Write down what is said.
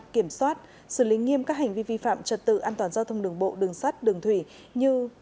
kiểm soát xử lý nghiêm các hành vi vi phạm trật tự an toàn giao thông đường bộ đường sắt đường thủy như